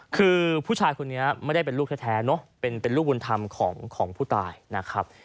คือผู้ชายคนนี้ไม่ได้เป็นลูกแท้เนอะเป็นลูกบุญธรรมของผู้ตายนะครับ